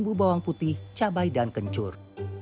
bumbu bawang putih cabai dan kencur